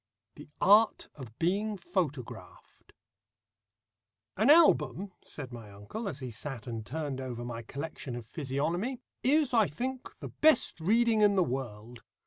THE ART OF BEING PHOTOGRAPHED "An album," said my uncle, as he sat and turned over my collection of physiognomy, "is, I think, the best reading in the world.